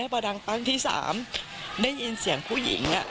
พอดังพังที่สามได้ยินเสียงผู้หญิงอ่ะ